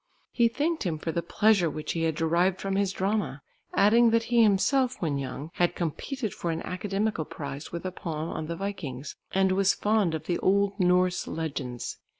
He thanked him for the pleasure which he had derived from his drama, adding that he himself when young had competed for an academical prize with a poem on the Vikings, and was fond of the old Norse legends.